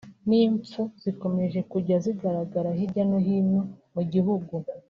n’impfu zikomeje kujya zigaragara hirya no hino mu gihugu